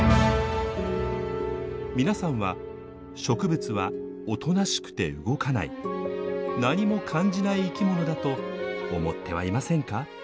皆さんは植物はおとなしくて動かない何も感じない生き物だと思ってはいませんか？